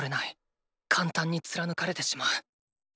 簡単に貫かれてしまう。